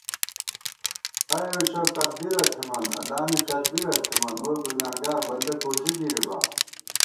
خیروشر تقدیرہ تھِمان، اللہ نی تدبیرہ تھِمان ووئی گُنانگار بندہ کوڅی گِرِبا